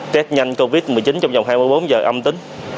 test nhanh covid một mươi chín trong vòng hai mươi bốn giờ âm tính